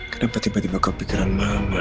kenapa tiba tiba kepikiran mama